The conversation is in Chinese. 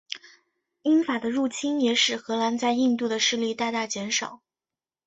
英法的入侵也使荷兰在印度的势力大大减少。